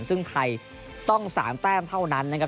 ซึ่งไทยต้อง๓แต้มเท่านั้นนะครับ